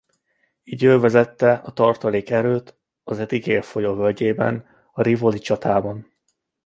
Így ő vezette a tartalék erőt a Adige folyó völgyében a Rivoli csatában.